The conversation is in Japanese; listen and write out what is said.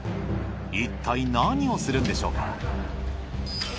いったい何をするんでしょうか？